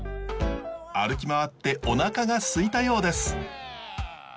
歩き回っておなかがすいたようです。